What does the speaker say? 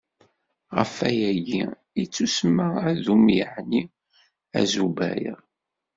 Ɣef wayagi i yettusemma Adum, yeɛni Azubaɣ.